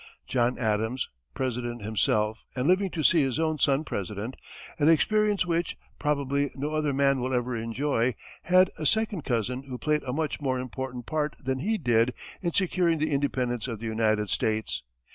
John Adams, President himself and living to see his own son President an experience which, probably no other man will ever enjoy had a second cousin who played a much more important part than he did in securing the independence of the United States.